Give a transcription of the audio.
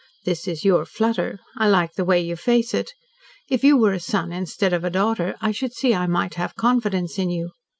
This is your 'flutter.' I like the way you face it. If you were a son instead of a daughter, I should see I might have confidence in you.